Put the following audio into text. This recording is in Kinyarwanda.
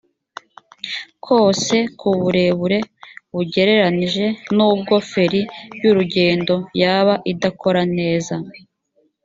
kose ku burebure bugereranije nubwo feri y’urugendo yaba idakora neza